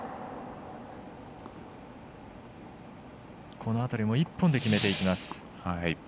この辺りも１本で決めていきます。